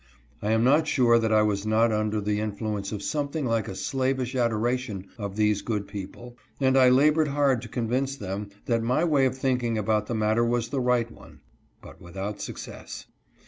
I am not sure that I was not under the influence of something like a slavish adoration of these good people, and I labored 822 THE CONSTITUTION ANTI SLAVERY. hard to convince them that my way of thinking about the matter was the right one, but without success.